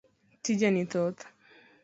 Tije ni thoth.